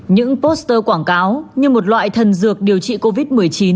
những poster quảng cáo như một loại thần dược điều trị covid một mươi chín